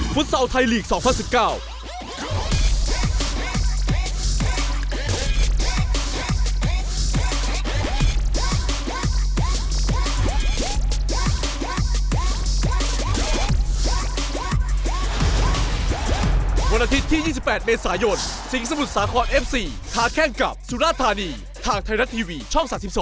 ฟุตเซาไทยลีก๒๐๑๙